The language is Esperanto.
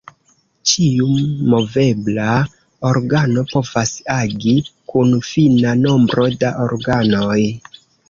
Ĉiu movebla organo povas agi kun fina nombro da organoj.